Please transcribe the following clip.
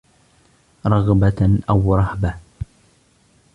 رَغْبَةٌ أَوْ رَهْبَةٌ